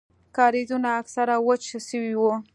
کاريزونه اکثره وچ سوي وو.